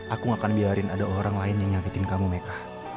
aku gak akan biarin ada orang lain yang nyakitin kamu mereka